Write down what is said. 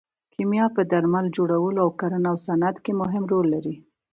کیمیا په درمل جوړولو او کرنه او صنعت کې مهم رول لري.